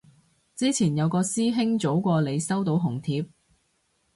之前有個師兄早過你收到紅帖